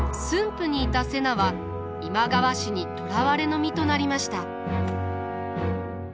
府にいた瀬名は今川氏に捕らわれの身となりました。